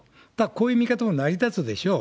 こういう見方も成り立つでしょう。